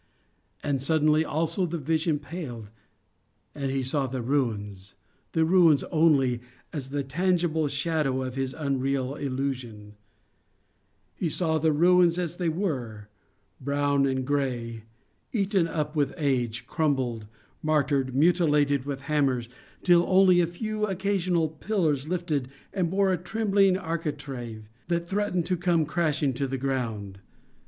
And suddenly also the vision paled and he saw the ruins, the ruins only, as the tangible shadow of his unreal illusion: he saw the ruins as they were, brown and grey, eaten up with age, crumbled, martyred, mutilated with hammers, till only a few occasional pillars lifted and bore a trembling architrave, that threatened to come crashing to the ground.